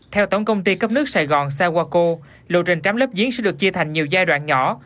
theo tổng công ty cấp nước sài gòn saoaco lộ trình trám lấp diến sẽ được chia thành nhiều giai đoạn nhỏ